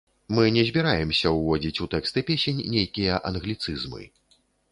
Мы не збіраемся ўводзіць у тэксты песень нейкія англіцызмы.